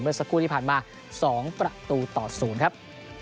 สักครู่ที่ผ่านมา๒ประตูต่อ๐ครับ